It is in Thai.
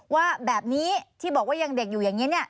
ว่าแบบนี้ที่บอกว่ายังเด็กอยู่อย่างนี้